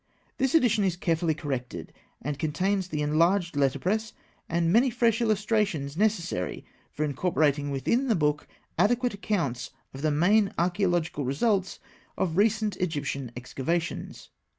This edition is carefully corrected, and contains the enlarged letterpress and many fresh illustrations necessary for incorporating within the book adequate accounts of the main archaeological results of recent Egyptian excavations.